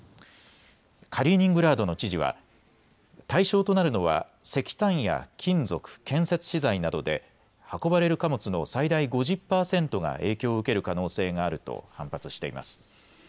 カリーニングラードの知事は、対象となるのは石炭や金属、建設資材などで運ばれる貨物の最大５０％が影響を受ける可能性があると反発しています。